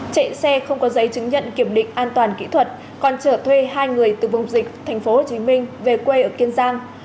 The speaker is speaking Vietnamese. chạy xe không có giấy chứng nhận kiểm định an toàn kỹ thuật còn chở thuê hai người từ vùng dịch tp hcm về quê ở kiên giang